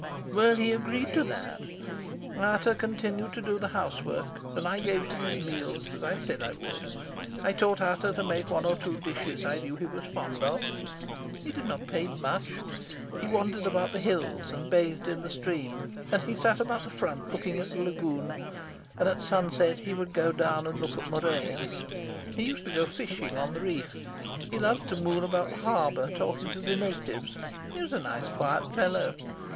"Well, he agreed to that. Ata continued to do the housework, and I gave him his meals as I said I would. I taught Ata to make one or two dishes I knew he was fond of. He did not paint much. He wandered about the hills and bathed in the stream. And he sat about the front looking at the lagoon, and at sunset he would go down and look at Murea. He used to go fishing on the reef. He loved to moon about the harbour talking to the natives. He was a nice, quiet fellow.